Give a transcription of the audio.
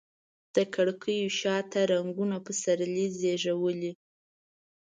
د کړکېو شاته رنګونو پسرلي زیږولي